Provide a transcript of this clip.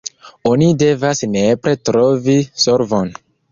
Oni devas nepre trovi solvon.